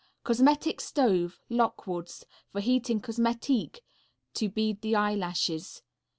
Cosmetic Stove, Lockwood's. For heating cosmetique to bead the eyelashes.